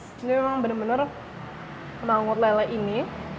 hmm ini memang benar benar mangut lele ini